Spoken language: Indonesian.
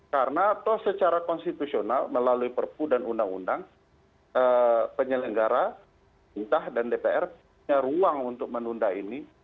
karena atau secara konstitusional melalui perpu dan undang undang penyelenggara intah dan dpr punya ruang untuk menunda ini